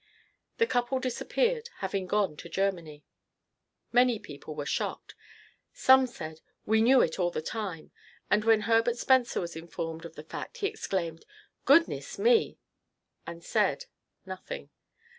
The couple disappeared, having gone to Germany. Many people were shocked. Some said, "We knew it all the time," and when Herbert Spencer was informed of the fact he exclaimed, "Goodness me!" and said nothing.